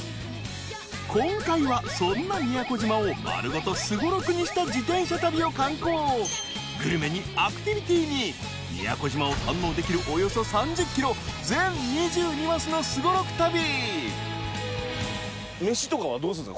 今回はそんな宮古島をまるごとすごろくにした自転車旅を敢行グルメにアクティビティに宮古島を堪能できるおよそ３０ｋｍ全２２マスのすごろく旅飯とかはどうするんですか？